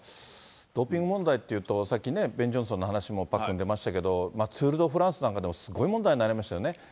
ドーピング問題っていうと、さっきね、ベン・ジョンソンの話もパックン、出ましたけれども、ツール・ド・フランスなんかでもすごい問題になりましたよね。